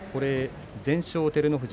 全勝、照ノ富士。